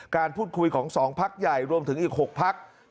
การพูดคุยของ๒พักใหญ่รวมถึงอีก๖พัก